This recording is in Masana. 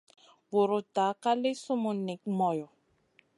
Vuruta ka li summun nik moyo.